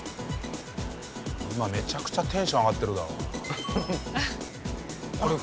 今めちゃくちゃテンション上がってるだろうな。